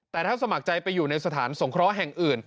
แต่ถ้าสมัครใจไปอยู่ในสถานสงเคราะห์แห่งอื่น